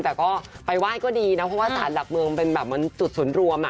แต่ไปไหว้ดีเพราะศาลหลักเมืองเป็นจุดสูญรวม